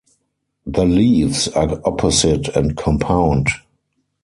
The leaves are opposite and compound.